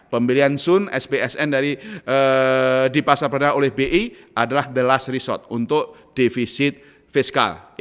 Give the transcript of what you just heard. pembelian sun sbsn di pasar perdana oleh bi adalah the last resort untuk defisit fiskal